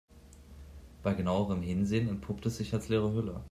Bei genauerem Hinsehen entpuppt es sich als leere Hülle.